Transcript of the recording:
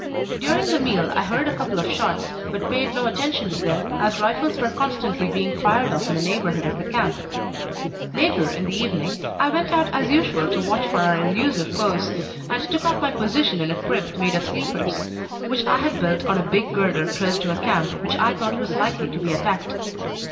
During the meal I heard a couple of shots, but paid no attention to them, as rifles were constantly being fired off in the neighbourhood of the camp. Later in the evening, I went out as usual to watch for our elusive foes, and took up my position in a crib made of sleepers which I had built on a big girder close to a camp which I thought was likely to be attacked.